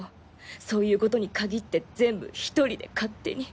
そういうことに限って全部１人で勝手に。